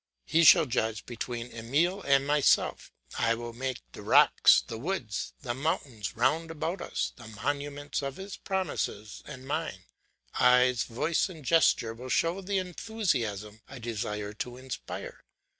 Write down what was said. He shall judge between Emile and myself; I will make the rocks, the woods, the mountains round about us, the monuments of his promises and mine; eyes, voice, and gesture shall show the enthusiasm I desire to inspire.